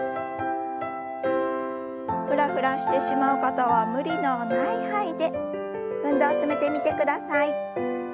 フラフラしてしまう方は無理のない範囲で運動を進めてみてください。